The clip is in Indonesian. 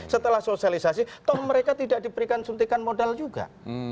setelah sosialisasi toh mereka tidak diberikan suntikan modal juga